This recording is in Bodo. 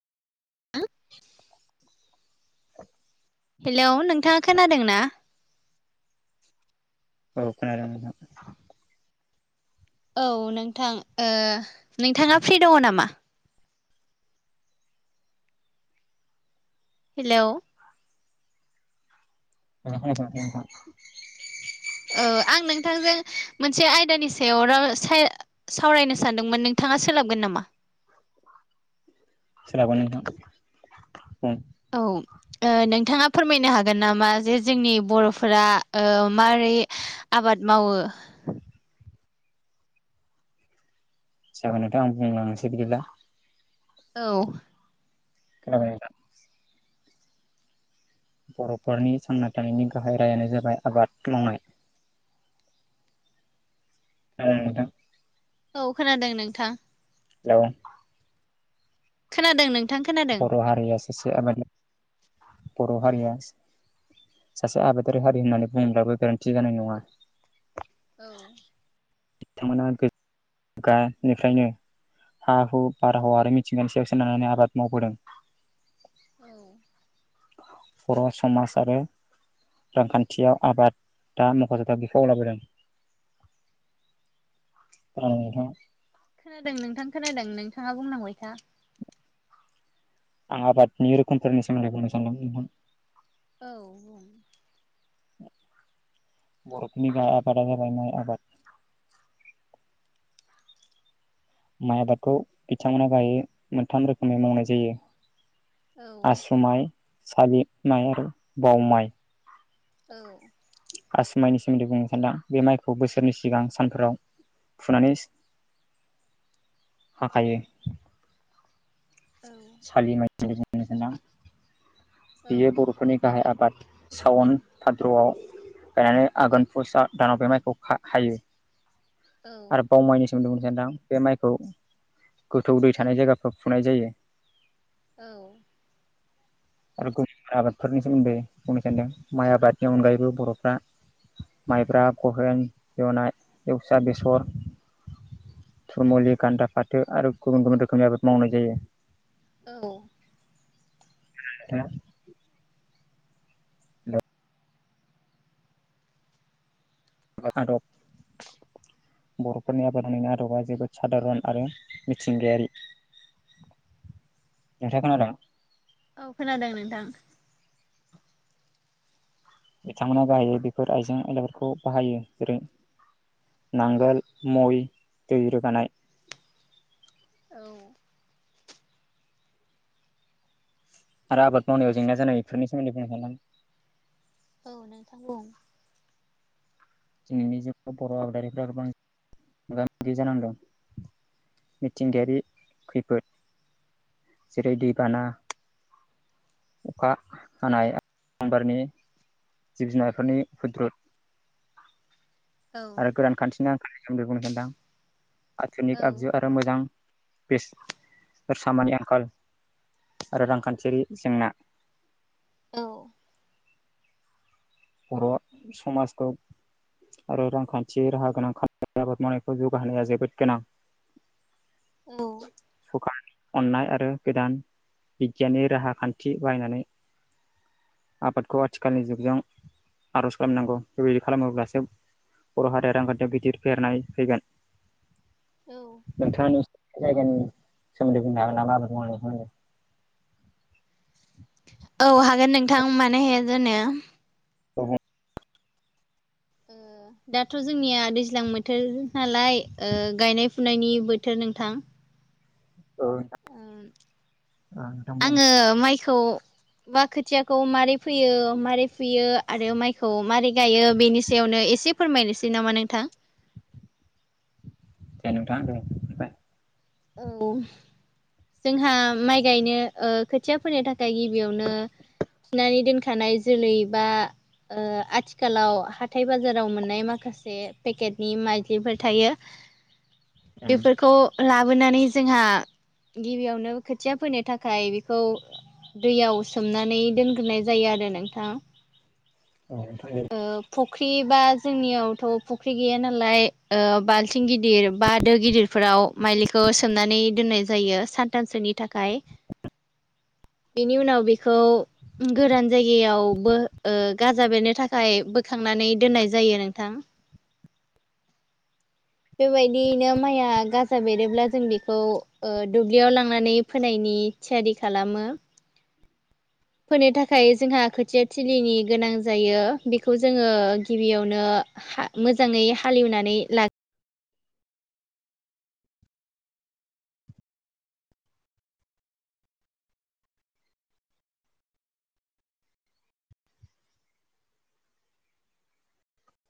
[inaudible] हेलौ नोंथाङा खोनादों ना औ खोनादों नोंथां औ नोंथां ओ नोंथाङा फ्रि दङ नामा हेल [inaudible] औ आं नोंथांजों मोनसे आयदानि सायाव साव सावरायनो सानदोंमोन नोंथाङा सोलाबगोन नामा सोलाबो नोंथां औ ओ नोंथाङा फोरमायनो हागोन नामा जे जोंनि बर'फोरा ओ मारै आबाद मावो सेभेन आंनो सैला [inaudible] [unintelligible] औ खोनाबाय नोंथां बर'फोरनि सांना थानायनि गाहाय रायानो जाबाय आबाद मावनाय ज मथा [unintelligible] [inaudible] औ खोनादों नोंथां हेल' खोनादों नों बर' हारिया सासे आबाद बर' हारिया सासे आबादारि हारि होननानै बुङोब्लाबो गोरोन्थि जानाय नङा, औ बिथांमोना गानिफ्रायनो, हा हु बाराहावा आरो मिथिंगानि सायाव सोनारनानै आबाद मावबोदों औ बर' समाज आरो रांखान्थियाव आबाद दा मख'जाथाव बिफाव लाबोदों औ नोंथां खोनादों नोंथां खोनादों नोंथाङा बुंलांबाय था, आं आबादनि रोखोमफोरनि सोमोन्दै बुंनो सानदों नोंथां, औ बुं बर'फोरनि गाहाय आबादा जादों माय आबाद माइ आबादखौ बिथांमोनहा गाहाय मोनथाम रोखोमै मावनाय जायो। औ आसुमाइ साबिमाइ आरु बावमाइ औ आसु माइनि सोमोन्दै बुंनो सानदों बे माइखौ बोसोरनि सिगां सानफोराव, फुनानै हाखायो। औ सालि माय होनां बेयो बर'फोरनि गाहाय आबाद सावन भाद्रआव गायनानै आघोन फुसा दानाव बे माइखौ हायो। औ आरो बाव माइनि सोमोन्दै बुंनो सानदों बे माइखौ गोथौ दै थानाय जायगाफ्राव फुनाय जायो। औ आरो गुबुन गुबुन आबादफोरनि सोमोन्दै बुंनो सान्दों माइ आबादनि अनगायैबो बर'फ्रा, माइब्रा गहेन जुननाय एवसा बेसर, थुरमुलि गान्दा फाथो आरो गुबुन गुबुन रोखोमनि आबाद मावनाय जायो। औ [unintelligible] दा फालाराव बर'फोरनि आबादनि आदबआ जोबोद सादारन आरो मिथिंगायारि, [inaudible] नोंथाङा खोनादों, औ खोनादों नोंथां, बिथांमोना गाहायै बेफोर आइजें आयलाफोरखौ बाहायो जेरै नांगोल मय दै रोगानाय, औ आरो आबाद मावनायाव जेंना जानाय बेफोर सोमोन्दै बुंनो सानदों, औ नोंथां बुं, दिनैनि जुगाव बर' आबादारिफ्रा गोबां मोगा मोगि जानांदों, मिथिंगायारि खैफोद जेरै दैबाना, अखा हानाय आबारनि जिब जुनारफोरनि उफुद्रुग औ आरो गोरान खान्थिनि आंखालनि सोमोन्दै बुंनो सानदों आधुनिक आगजु आरो आरो मोजां बेस सामानि आंखाल आरो रांखान्थियारि जेंना, औ बर' समाजखौ आरो रांखान्थि राहा गोनां खाम आबाद मावनायखौ जौगाहोनाया जोबोद गोनां [unintelligible] अन्नाय आरो गोदान बिगियाननि राहा खान्थि बाहायनानै आबादखौ आथिखालनि जुगजों आर'ज खालामनांगौ बेबायदि खालामोब्लासो बर' हारिया रांखान्थियाव गिदिर फेहेरनाय फैगोन औ नोंथाङा जायगानि सोमोन्दै बुंनो हागोन नामा? आबाद मावनायनि सोमोन्दै। औ हागोन नोंथां मानो हाया जानो। औ बुं ओ दाथ' जोंनिया दैज्लां बोथोर नालाय ओ गायनाय फुनायनि बोथोर नोंथां। औ नोंथां। उम बुं आङो माइखौ बा खोथियाखौ मारै फोयो मारै फुयो आरो माइखौ मारै गायो बेनि सायावनो एसे फोरमायनोसै नामा नोंथां? दे नोंथां दे बाय औ जोंहा माइ गायनो ओ खोथिया फोनो थाखाय गिबियावनो थिनानै दोनखानाय जोलै बा ओ आथिखालाव हाथाय बाजाराव मोननाय माखासे पेकेटनि माइदलिफोर थायो उम बेफोरखौ ला बोनानै जोंहा गिबियावनो खोथिया फोनो थाखाय बेखौ दैयाव सोमनानै दोनग्रोनाय जायो आरो नोंथां। औ आमफाय ओ फुख्रि बा जोंनियावथ' फुख्रि गैया नालाय ओ बाल्थिं गिदिर बा दो गिदिर फोराव माइलिखौ सोमनानै दोननाय जायो सानथामसोनि थाखाय बेनि उनाव बेखौ गोरान जायगायावबो ओ गाजा बेरनो थाखाय बोखांनानै दोननाय जायो नोंथां। बेबायदियैनो माइआ गाजा बेरोब्ला जों बेखौ ओ दुब्लियाव लांनानै फोनायनि थियारि खालामो फोनो थाखाय जोंहा खोथिया थिलिनि गोनां जायो बेखौ जोङो गिबियावनो हा मोजाङै हालेवनानै ला